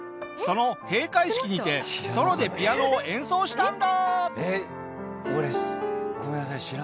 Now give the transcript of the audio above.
その閉会式にてソロでピアノを演奏したんだ！